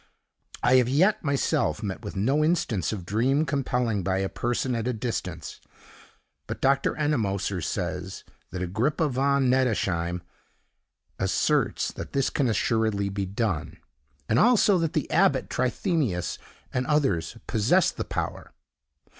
I have yet, myself, met with no instance of dream compelling by a person at a distance; but Dr. Ennemoser says that Agrippa von Nettesheim asserts that this can assuredly be done, and also that the abbot Trithemius and others possessed the power.